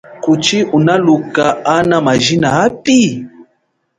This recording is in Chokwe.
Kuchi unaluka ana majina api?